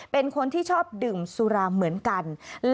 เป็นคนที่ชอบดื่มสุราเหมือนกัน